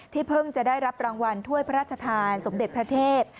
เพิ่งจะได้รับรางวัลถ้วยพระราชทานสมเด็จพระเทพ